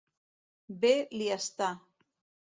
Bé li està.